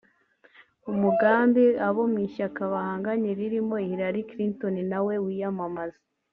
umugambi abo mu ishyaka bahanganye ririmo Hillary Clinton nawe wiyamamaza